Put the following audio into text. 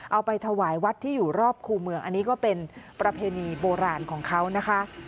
เอาไปถวายวัดที่อยู่รอบคู่เมืองอันนี้ก็เป็นประเพณีโบราณของเขานะคะ